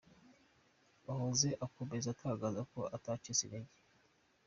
Muhoza akomeza atangaza ko atacitse integer.